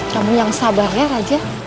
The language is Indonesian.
kamu yang sabar ya raja